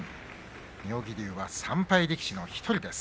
妙義龍は３敗力士の１人です。